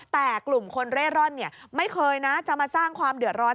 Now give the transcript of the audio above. แต่กลุ่มคนเร่ร่อนไม่เคยนะจะมาสร้างความเดือดร้อน